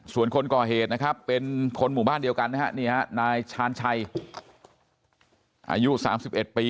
ส่วนคนก่อเหตุเป็นคนหมู่บ้านเดียวกันนายชาญชัยอายุ๓๑ปี